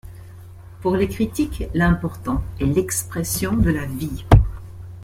Pour les critiques, l'important est l'expression de la vie.